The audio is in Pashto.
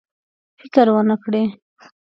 فکر ونه کړي.